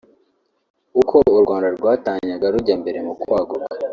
uko u Rwanda rwatanyaga rujya mbere mu kwaguka